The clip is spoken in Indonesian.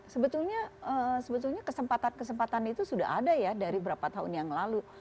sebetulnya kesempatan kesempatan itu sudah ada ya dari berapa tahun yang lalu